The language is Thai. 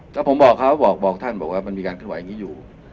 ถ้าผมบอกเขาบอกท่านบอกว่ามันมีการขึ้นอย่างนี้อยู่